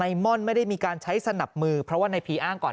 ม่อนไม่ได้มีการใช้สนับมือเพราะว่าในพีอ้างก่อน